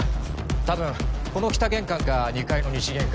多分この北玄関か２階の西玄関